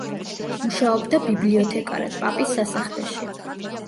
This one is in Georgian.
მუშაობდა ბიბლიოთეკარად პაპის სასახლეში.